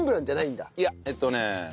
いやえっとね